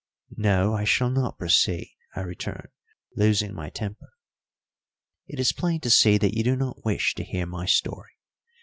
"No, I shall not proceed," I returned, losing my temper. "It is plain to see that you do not wish to hear my story.